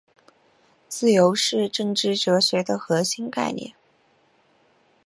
自由是政治哲学的核心概念。